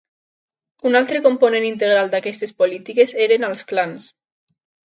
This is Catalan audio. Un altre component integral d'aquestes polítiques eren els clans.